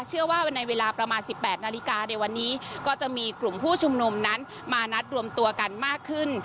ว่าในเวลาประมาณ๑๘นาฬิกาในวันนี้ก็จะมีกลุ่มผู้ชุมนุมนั้นมานัดรวมตัวกันมากขึ้น